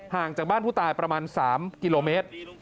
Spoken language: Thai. ห่างจากบ้านผู้ตายประมาณ๓กิโลเมตร